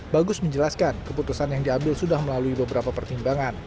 bagus menjelaskan keputusan yang diambil sudah melalui beberapa pertimbangan